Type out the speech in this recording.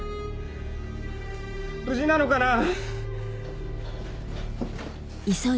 無事なのかな？